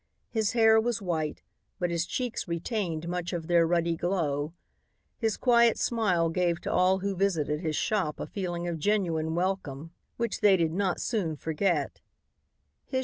His hair was white but his cheeks retained much of their ruddy glow. His quiet smile gave to all who visited his shop a feeling of genuine welcome which they did not soon forget.